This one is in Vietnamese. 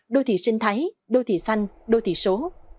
đô thị sinh thái đô thị xanh đô thị số